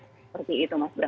seperti itu mas